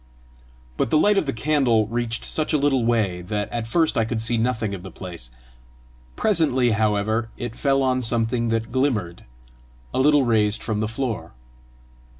But the light of the candle reached such a little way, that at first I could see nothing of the place. Presently, however, it fell on something that glimmered, a little raised from the floor.